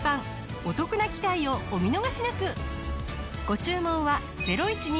お得な機会をお見逃しなく！